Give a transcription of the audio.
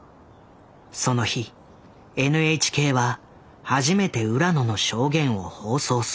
その日ＮＨＫは初めて浦野の証言を放送する。